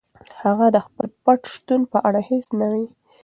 هغه د خپل پټ شتون په اړه هیڅ نه وايي.